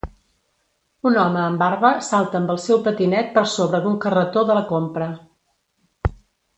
Un home amb barba salta amb el seu patinet per sobre d'un carretó de la compra.